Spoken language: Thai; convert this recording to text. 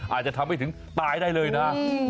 อาจจะทำให้ถึงตายได้เลยนะ